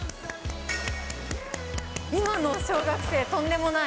今の小学生、とんでもない。